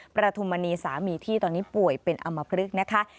ประทุมมณีสามีที่ตอนนี้ป่วยเป็นอำมพลึกนะคะ